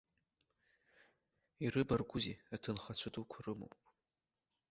Ирыбаргәузеи, аҭынхацәа дуқәа рымоуп.